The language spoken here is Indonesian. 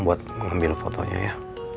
buat mengambil fotonya ya